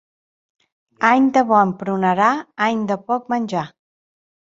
Any de bon prunerar, any de poc menjar.